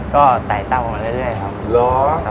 ก็ใส่เตามาเรื่อยครับ